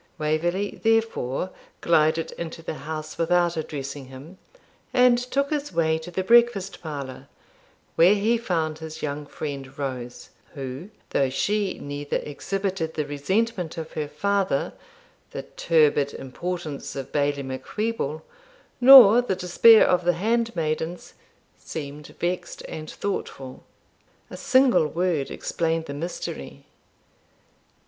Waverley therefore glided into the house, without addressing him, and took his way to the breakfast parlour, where he found his young friend Rose, who, though she neither exhibited the resentment of her father, the turbid importance of Bailie Macwheeble, nor the despair of the handmaidens, seemed vexed and thoughtful. A single word explained the mystery.